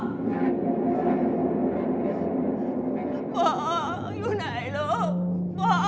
บออยู่ไหนล่ะบอ